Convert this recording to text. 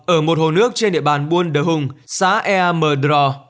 ở một hồ nước trên địa bàn buôn đờ hùng xã ea mờ đò